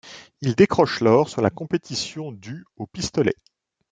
Il décroche l'or sur la compétition du au pistolet.